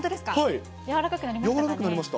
やわらかくなりました。